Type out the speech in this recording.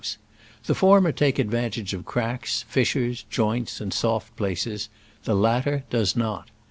The former take advantage of cracks, fis sures, joints and soft places — the latter does not.